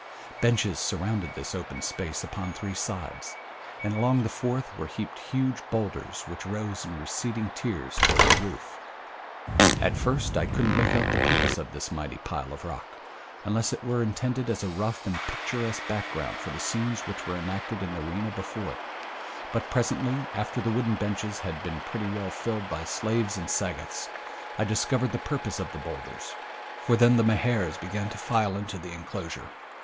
Benches surrounded this open space upon three sides, and along the fourth were heaped huge bowlders which rose in receding tiers toward the roof. At first I couldn't make out the purpose of this mighty pile of rock, unless it were intended as a rough and picturesque background for the scenes which were enacted in the arena before it, but presently, after the wooden benches had been pretty well filled by slaves and Sagoths, I discovered the purpose of the bowlders, for then the Mahars began to file into the enclosure.